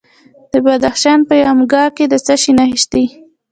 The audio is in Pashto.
د بدخشان په یمګان کې د څه شي نښې دي؟